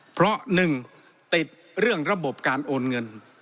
เพราะ๑ติดเรื่องระบบการอุปสรรค